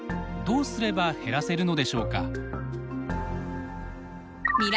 どうすれば減らせるのでしょうか。